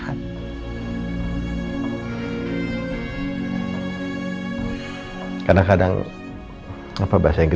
karena kadang ngapa bahasa inggrisnya kalau uni puntas ngira we telkit buka galandet